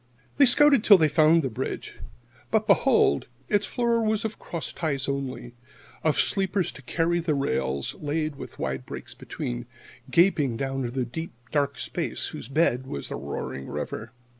They scouted till they found the bridge. But behold, its floor was of cross ties only of sleepers to carry the rails, laid with wide breaks between, gaping down into deep, dark space whose bed was the roaring river.